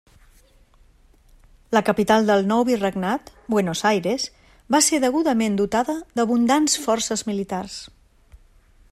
La capital del nou virregnat, Buenos Aires, va ser degudament dotada d'abundants forces militars.